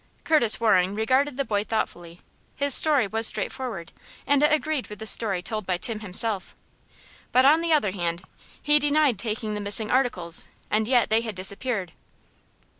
Curtis Waring regarded the boy thoughtfully. His story was straightforward, and it agreed with the story told by Tim himself. But, on the other hand, he denied taking the missing articles, and yet they had disappeared.